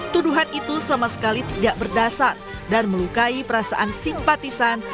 tuduhan itu sama sekali tidak berdasar dan melukai perasaan simpatisan